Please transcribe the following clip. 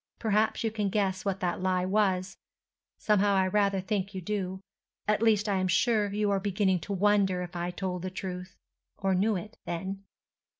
Perhaps you can guess what that lie was, somehow I rather think you do; at least, I am sure, you are beginning to wonder if I told the truth—or knew it, then.